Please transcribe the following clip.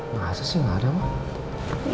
masa sih gak ada mama